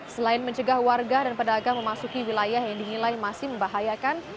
selain mencegah warga dan pedagang memasuki wilayah yang dinilai masih membahayakan